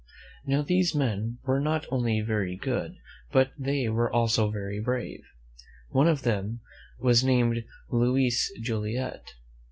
Now, these men were not only very good, but they were also very brave. One of them was named Louis Joliet.